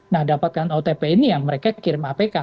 nah dapatkan otp ini yang mereka kirim apk